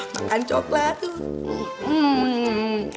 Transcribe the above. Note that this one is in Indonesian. makan coklat tuh